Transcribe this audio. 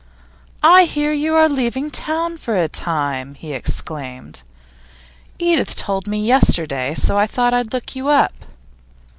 'I hear you are leaving town for a time,' he exclaimed. 'Edith told me yesterday, so I thought I'd look you up.